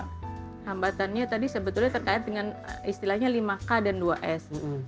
hambatannya tadi sebetulnya terkait dengan istilahnya lima k dan dua s